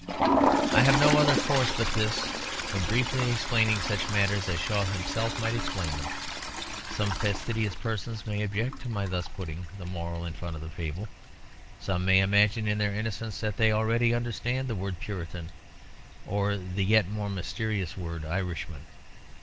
I have no other course but this: of briefly explaining such matters as Shaw himself might explain them. Some fastidious persons may object to my thus putting the moral in front of the fable. Some may imagine in their innocence that they already understand the word Puritan or the yet more mysterious word Irishman.